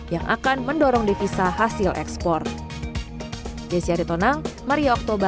yang akan mendorong devisa hasil ekspor